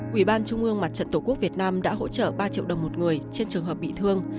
ủy ban trung ương mặt trận tổ quốc việt nam đã hỗ trợ ba triệu đồng một người trên trường hợp bị thương